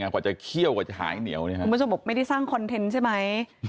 กว่าจะเคี่ยวกว่าจะหายเหนียวคุณผู้ชมบอกไม่ได้สร้างคอนเทนต์ใช่ไหม